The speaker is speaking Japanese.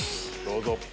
どうぞ。